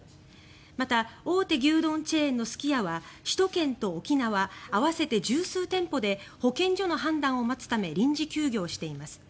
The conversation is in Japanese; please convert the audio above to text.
また、大手牛丼チェーンのすき家は首都圏と沖縄合わせて１０数店舗で保健所の判断を待つため臨時休業しています。